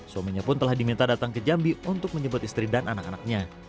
suaminya pun telah diminta datang ke jambi untuk menyebut istri dan anak anaknya